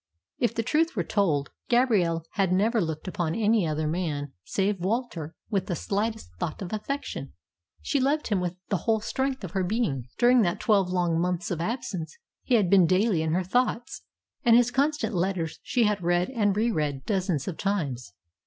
If the truth were told, Gabrielle had never looked upon any other man save Walter with the slightest thought of affection. She loved him with the whole strength of her being. During that twelve long months of absence he had been daily in her thoughts, and his constant letters she had read and re read dozens of times.